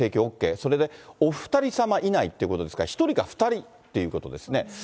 それでお２人様以内ということですから、１人か２人っていうことですね。